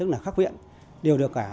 là khắc viện đều được cả